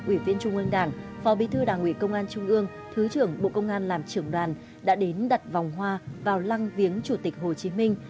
ủy viên trung ương đảng phó bí thư đảng ủy công an trung ương thứ trưởng bộ công an làm trưởng đoàn đã đến đặt vòng hoa vào lăng viếng chủ tịch hồ chí minh